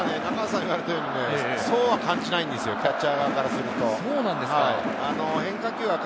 中畑さんが言われたように、そうは感じないんですよ、キャッチャー側からすると。